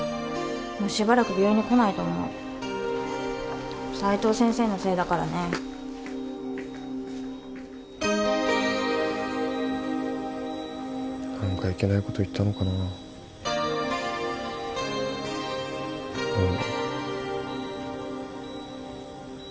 もうしばらく病院に来ないと思う斉藤先生のせいだからね何かいけないこと言ったのかなどう思う？